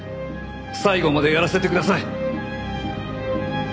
最後までやらせてください！